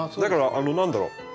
だから何だろう